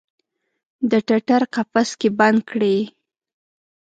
د ټټر قفس کې بند کړي